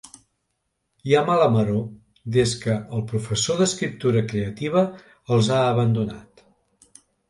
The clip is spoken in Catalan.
Hi ha mala maror des que el professor d'escriptura creativa els ha abandonat.